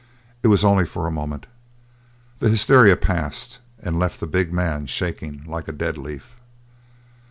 It was only for a moment. The hysteria passed and left the big man shaking like a dead leaf.